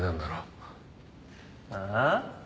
ああ？